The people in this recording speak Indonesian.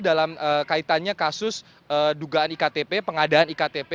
dalam kaitannya kasus dugaan iktp